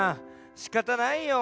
しかたないよ。